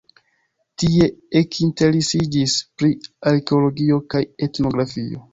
Tie ekinteresiĝis pri arkeologio kaj etnografio.